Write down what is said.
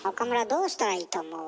どうしたらいいと思う？